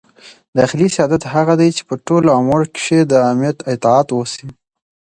داخلي سیادت هغه دئ، چي په ټولو امورو کښي د امیر اطاعت وسي.